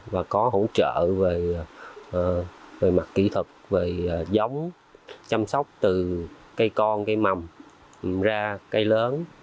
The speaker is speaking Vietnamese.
và có hỗ trợ về mặt kỹ thuật về giống chăm sóc từ cây con cây mầm ra cây lớn